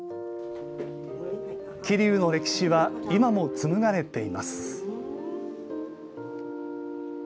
桐生の歴史は今も紡がれています。